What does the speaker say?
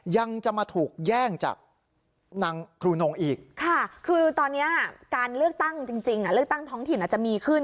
ยังจะมาถูกแย่งจากนางครูนงอีกค่ะคือตอนนี้การเลือกตั้งจริงเลือกตั้งท้องถิ่นอาจจะมีขึ้น